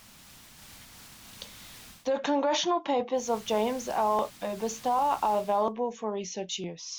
The Congressional Papers of James L. Oberstar are available for research use.